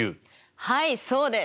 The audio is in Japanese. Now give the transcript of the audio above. はいそうです。